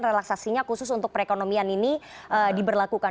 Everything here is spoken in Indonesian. relaksasinya khusus untuk perekonomian ini diberlakukan